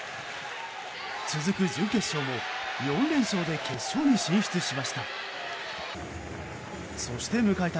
続く準決勝も４連勝で決勝に進出しました。